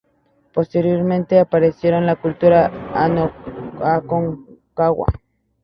Posteriormente apareció la Cultura Aconcagua.